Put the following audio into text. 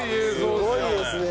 すごいですね。